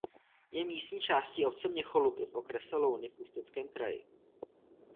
Je místní částí obce Měcholupy v okrese Louny v Ústeckém kraji.